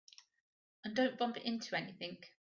And don't bump into anything.